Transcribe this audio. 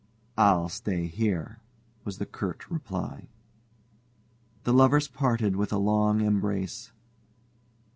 "I'll stay here," was the curt reply. The lovers parted with a long embrace.